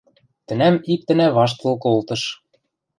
Тӹнӓм иктӹнӓ ваштыл колтыш.